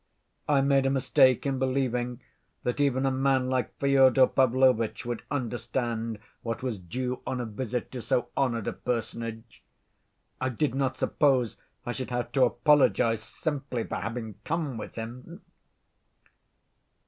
I made a mistake in believing that even a man like Fyodor Pavlovitch would understand what was due on a visit to so honored a personage. I did not suppose I should have to apologize simply for having come with him...."